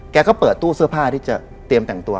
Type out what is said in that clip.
ก็เปิดตู้เสื้อผ้าที่จะเตรียมแต่งตัว